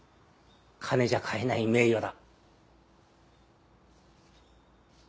金じゃ買えない名誉だ。